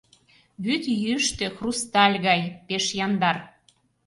Вӱд йӱштӧ, хрусталь гай — пеш яндар.